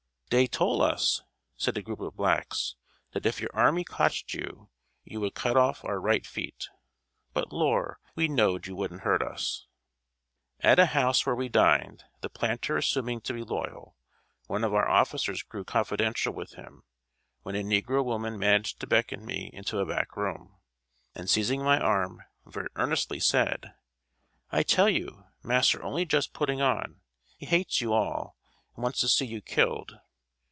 "Dey tole us," said a group of blacks, "dat if your army cotched us, you would cut off our right feet. But, Lor! we knowed you wouldn't hurt us!" At a house where we dined, the planter assuming to be loyal, one of our officers grew confidential with him, when a negro woman managed to beckon me into a back room, and seizing my arm, very earnestly said: "I tell you, mass'r's only just putting on. He hates you all, and wants to see you killed.